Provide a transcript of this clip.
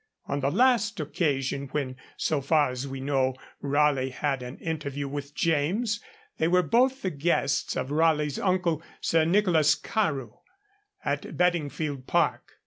On the last occasion when, so far as we know, Raleigh had an interview with James, they were both the guests of Raleigh's uncle, Sir Nicholas Carew, at Bedingfield Park.